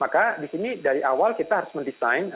maka di sini dari awal kita harus mendesain